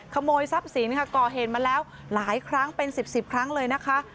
ขโมยทรัพย์ศีลก่อเห็นมาแล้วหลายครั้งเป็นสิบครั้งเลยนะคะ